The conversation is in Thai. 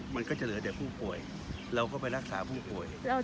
มันก็จะเหลือแต่ผู้ป่วยเราก็ไปรักษาผู้ป่วย